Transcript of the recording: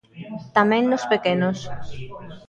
Tamén nos pequenos.